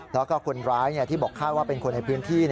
แล้วก็คนร้ายที่บอกคาดว่าเป็นคนในพื้นที่